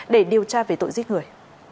để điều tra về tội giết người